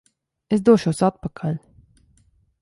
Es došos atpakaļ!